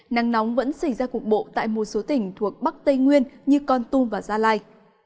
nắng nóng vẫn xảy ra cục bộ tại một số tỉnh thuộc bắc tây nguyên như con tum và gia lai